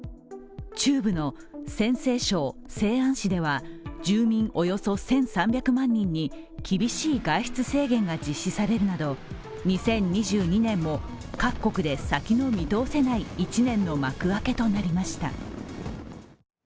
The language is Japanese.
中部の陝西省西安市では住民およそ１３００万人に厳しい外出制限が実施されるなど、２０２２年も各国で先の見通せない一年の幕開けとなりました。